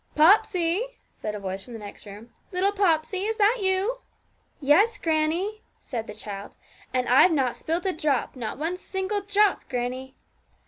'Popsey,' said a voice from the next room 'little Popsey, is that you?' 'Yes, grannie,' said the child; 'and I've not spilt a drop not one single drop, grannie.'